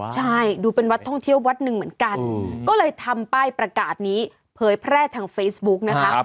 ใช่ดูเป็นวัดท่องเที่ยววัดหนึ่งเหมือนกันก็เลยทำป้ายประกาศนี้เผยแพร่ทางเฟซบุ๊กนะคะ